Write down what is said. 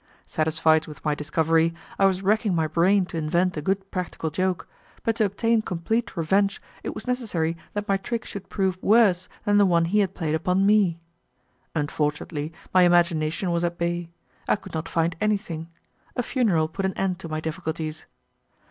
Satisfied with my discovery, I was racking my brain to invent a good practical joke, but to obtain complete revenge it was necessary that my trick should prove worse than the one he had played upon me. Unfortunately my imagination was at bay. I could not find anything. A funeral put an end to my difficulties.